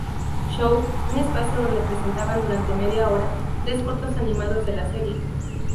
Show", un espacio donde presentaban durante media hora, tres cortos animados de la serie.